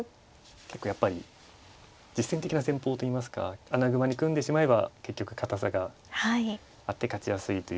結構やっぱり実戦的な戦法といいますか穴熊に組んでしまえば結局堅さがあって勝ちやすいという。